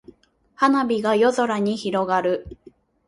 花火が夜空に広がる。